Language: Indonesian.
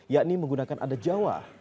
yakni menggunakan adat jawa